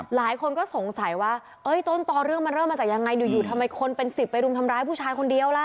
หลายคนก็สงสัยว่าต้นต่อเรื่องมันเริ่มมาจากยังไงอยู่ทำไมคนเป็น๑๐ไปรุมทำร้ายผู้ชายคนเดียวล่ะ